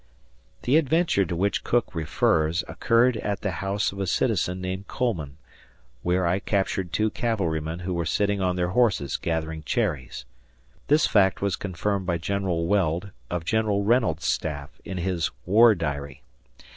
The adventure to which Cook refers occurred at the house of a citizen named Coleman, where I captured two cavalrymen who were sitting on their horses gathering cherries. This fact was confirmed by General Weld, of General Reynolds's staff, in his "War Diary."